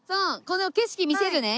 この景色見せるね